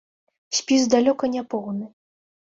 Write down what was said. Спіс далёка не поўны.